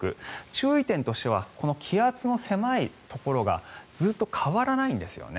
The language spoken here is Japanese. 注意点としてはこの気圧の狭いところがずっと変わらないんですよね。